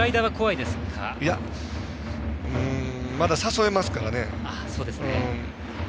いや、まだ誘えますからね。